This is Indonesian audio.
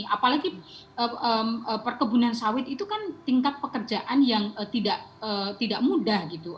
apalagi perkebunan sawit itu kan tingkat pekerjaan yang tidak mudah gitu